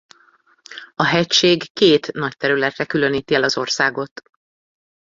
A hegység két nagy területre különíti el az országot.